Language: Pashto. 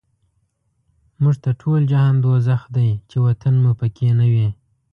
موږ ته ټول جهان دوزخ دی، چی وطن مو په کی نه وی